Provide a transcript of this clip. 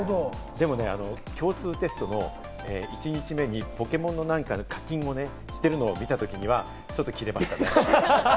でも共通テストの１日目にポケモンの課金をしているのを見た時にはちょっとキレましたね。